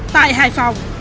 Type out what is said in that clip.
tại hải phòng